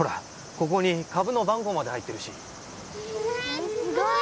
ここに株の番号まで入ってるし・へえすごい！